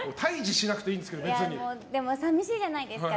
でも、寂しいじゃないですか。